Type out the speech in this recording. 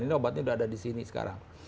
ini obatnya sudah ada di sini sekarang